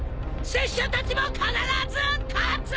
拙者たちも必ず勝つ！